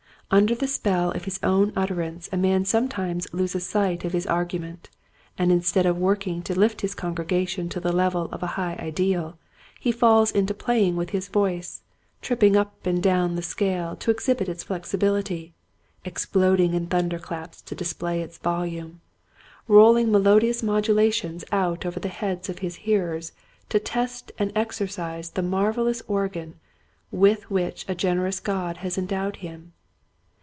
Under the spell of his own utterance a man sometimes loses sight of his argument, and instead of working to lift his congregation to the level of a high ideal he falls to playing with his voice, tripping up and down the scale to exhibit its flexibility, exploding in thunder claps to display its volume, rolling 128 Quiet Hints to Growing Preachers. melodious modulations out over the heads of his hearers to test and exercise the mar velous organ with which a generous God has endowed him.